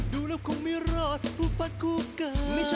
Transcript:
ดูแล้วคงไม่รอดคู่ฟัดคู่กัน